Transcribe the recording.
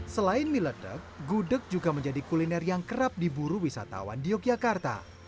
selain mie ledek gudeg juga menjadi kuliner yang kerap diburu wisatawan di yogyakarta